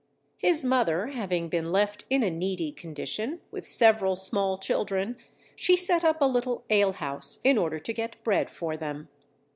His mother having been left in a needy condition, with several small children, she set up a little alehouse in order to get bread for them.